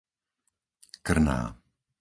Krná